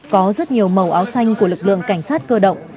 có rất nhiều màu áo xanh của lực lượng cảnh sát cơ động